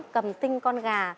cầm tinh con gà